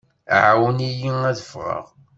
Ɛawen-iyi ad ffɣeɣ.